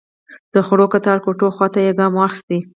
د خړو کتار کوټو خواته يې ګام واخيست.